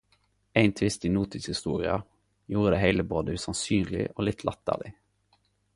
Ein twist i notidshistoria gjorde det heile både usannsynleg og litt latterleg.